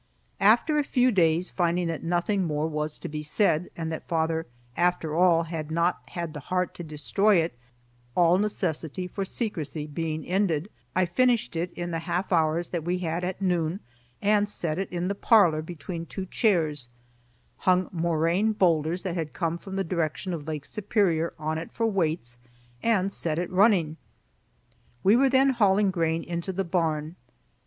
After a few days, finding that nothing more was to be said, and that father after all had not had the heart to destroy it, all necessity for secrecy being ended, I finished it in the half hours that we had at noon and set it in the parlor between two chairs, hung moraine boulders that had come from the direction of Lake Superior on it for weights, and set it running. We were then hauling grain into the barn.